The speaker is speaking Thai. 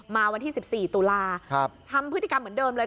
มาวันที่๑๔ตุลาทำพฤติกรรมเหมือนเดิมเลย